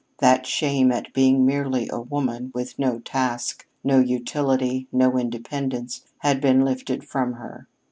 That shame at being merely a woman, with no task, no utility, no independence, had been lifted from her.